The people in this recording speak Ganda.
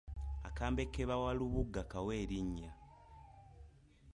Akambe ke bawa lubuga kawe erinnya.